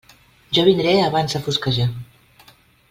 Jo vindré abans de fosquejar.